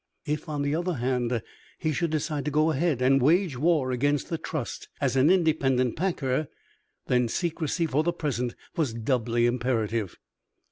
If, on the other hand, he should decide to go ahead and wage war against the trust as an independent packer, then secrecy for the present was doubly imperative.